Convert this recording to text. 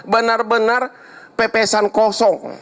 benar benar pepesan kosong